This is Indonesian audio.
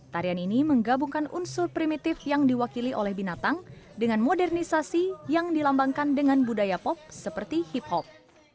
tarian ini menggabungkan unsur primitif yang diwakili oleh binatang dengan modernisasi yang dilambangkan dengan budaya pop seperti hip hop